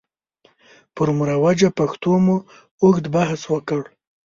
پر مروجه پښتو مو اوږد بحث وکړ.